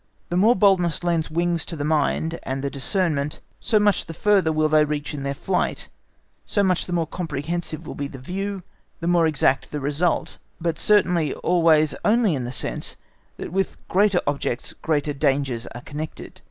The more boldness lends wings to the mind and the discernment, so much the farther they will reach in their flight, so much the more comprehensive will be the view, the more exact the result, but certainly always only in the sense that with greater objects greater dangers are connected.